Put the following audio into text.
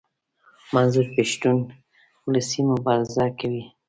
منظور پښتون اولسي مبارزه کوي.